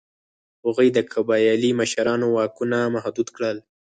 هغوی د قبایلي مشرانو واکونه محدود کړل.